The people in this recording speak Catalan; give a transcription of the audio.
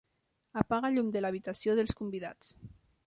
Apaga el llum de l'habitació dels convidats.